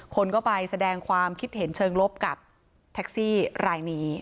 คนก็ไปแสดงความคิดเห็นเชิงลบกับแท็กซี่รายนี้